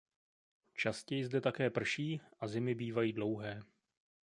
Častěji zde také prší a zimy bývají dlouhé.